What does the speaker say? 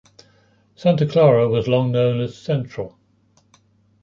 Santa Clara was long known as "Central".